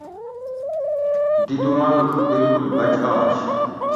دی دو مانوڛ بالکل بچ آش